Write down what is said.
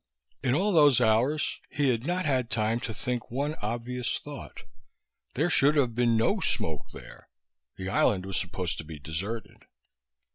In all those hours he had not had time to think one obvious thought: There should have been no smoke there! The island was supposed to be deserted.